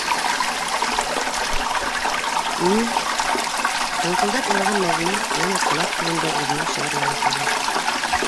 Мин... - һыңҡылдап илаған Мәҙинә йәнә ҡолаҡ төбөндә иренең шыбырлауын тойҙо.